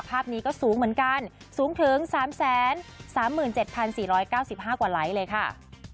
ภาพนี้ก็สูงเหมือนกันสูงถึง๓๓๗๔๙๕กว่าไลค์เลยค่ะ